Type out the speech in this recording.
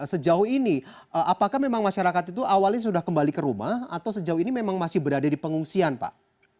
sejauh ini apakah memang masyarakat itu awalnya sudah kembali ke rumah atau sejauh ini memang masih berada di pengungsian pak